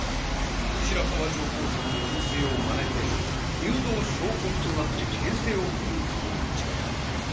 後白河上皇様の院政をまねて入道相国となって権勢を振るうつもりに違いあるまい。